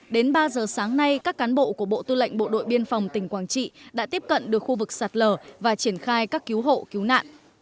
đến ba giờ sáng nay các cán bộ của bộ tư lệnh bộ đội biên phòng tỉnh quảng trị đã tiếp cận được khu vực sạt lở và triển khai các cứu hộ cứu nạn